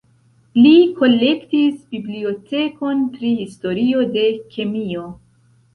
Li kolektis bibliotekon pri historio de kemio.